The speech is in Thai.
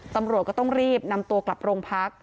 ตำรวจก็ต้องรีบนำตัวกลับโรงพัก